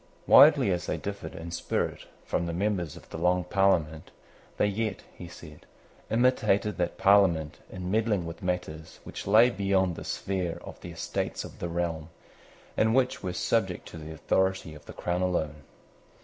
Widely as they differed in spirit from the members of the Long Parliament, they yet, he said, imitated that Parliament in meddling with matters which lay beyond the sphere of the Estates of the realm, and which were subject to the authority of the crown alone.